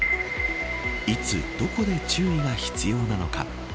いつどこで注意が必要なのか